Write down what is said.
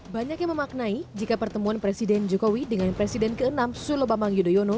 banyak yang memaknai jika pertemuan presiden jokowi dengan presiden ke enam sulo bambang yudhoyono